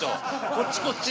こっちこっち。